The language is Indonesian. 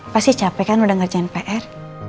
pasti capek kan udah ngerjain pr